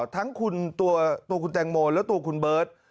ทั้งคุณตัวคุณแตงโมและตัวคุณเบิร์ต